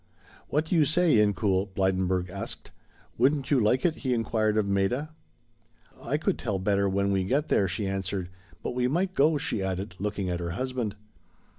"What do you say, Incoul?" Blydenburg asked. "Wouldn't you like it?" he inquired of Maida. "I could tell better when we get there," she answered; "but we might go," she added, looking at her husband.